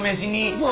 そう。